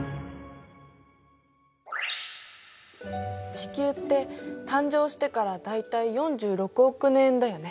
地球って誕生してから大体４６億年だよね。